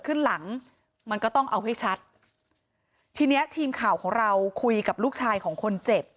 ขึ้นหลังมันก็ต้องเอาให้ชัดทีเนี้ยทีมข่าวของเราคุยกับลูกชายของคนเจ็บ